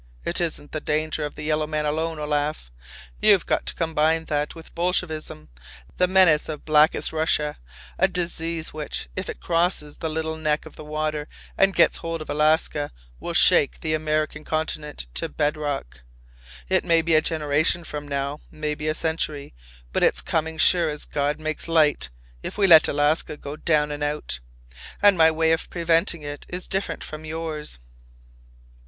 It isn't the danger of the yellow man alone, Olaf. You've got to combine that with Bolshevism, the menace of blackest Russia. A disease which, if it crosses the little neck of water and gets hold of Alaska, will shake the American continent to bed rock. It may be a generation from now, maybe a century, but it's coming sure as God makes light—if we let Alaska go down and out. And my way of preventing it is different from yours."